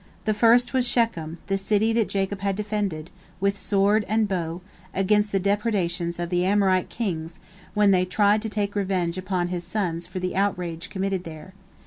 The first was Shechem, the city that Jacob had defended, with sword and bow, against the depredations of the Amorite kings when they tried to take revenge upon his sons for the outrage committed there.